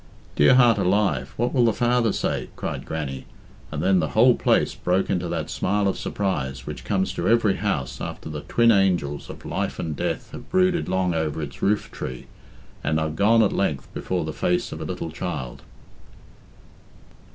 "Dear heart alive, what will the father say?" cried Grannie, and then the whole place broke into that smile of surprise which comes to every house after the twin angels of Life and Death have brooded long over its roof tree, and are gone at length before the face of a little child.